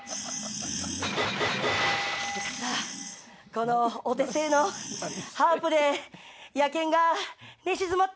このお手製のハープで野犬が寝静まった。